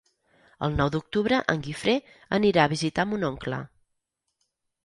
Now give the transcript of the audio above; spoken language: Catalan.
El nou d'octubre en Guifré anirà a visitar mon oncle.